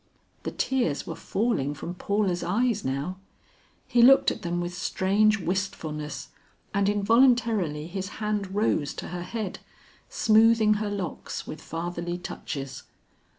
The tears were falling from Paula's eyes now. He looked at them with strange wistfulness and involuntarily his hand rose to her head, smoothing her locks with fatherly touches.